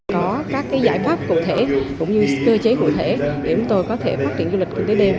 có các giải pháp cụ thể cũng như cơ chế cụ thể để chúng tôi có thể phát triển du lịch kinh tế đêm